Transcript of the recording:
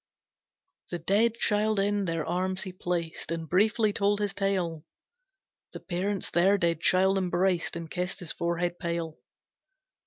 The dead child in their arms he placed, And briefly told his tale, The parents their dead child embraced, And kissed his forehead pale.